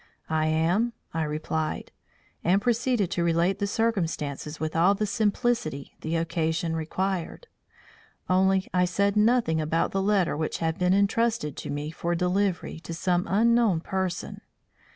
"I am," I replied; and proceeded to relate the circumstances with all the simplicity the occasion required. Only I said nothing about the letter which had been entrusted to me for delivery to some unknown person.